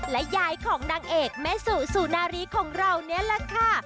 และยายของนางเอกแม่สู่สุนารีของเรานี่แหละค่ะ